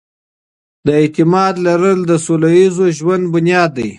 د اعتماد لرل د سوله ييز ژوند بنياد دی.